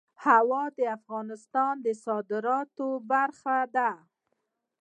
هوا د افغانستان د صادراتو برخه ده.